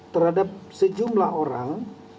terhadap sejumlah orang